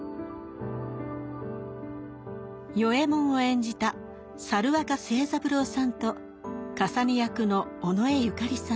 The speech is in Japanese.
与右衛門を演じた猿若清三郎さんとかさね役の尾上紫さん。